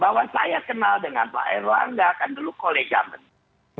bahwa saya kenal dengan pak erlangga kan dulu kolega menteri